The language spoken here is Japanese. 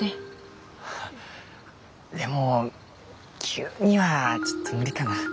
あでも急にはちょっと無理かな。